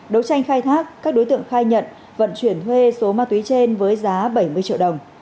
đấu tranh khai thác các đối tượng khai nhận vận chuyển thuê số ma túy trên với giá bảy mươi triệu đồng